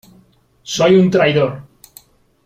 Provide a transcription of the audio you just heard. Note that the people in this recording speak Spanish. soy un traidor .